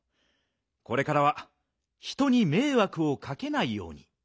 これからは人にめいわくをかけないように。